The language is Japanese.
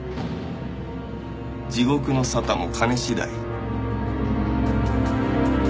地獄の沙汰も金次第。